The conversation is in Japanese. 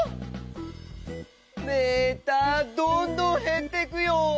メーターどんどんへってくよ。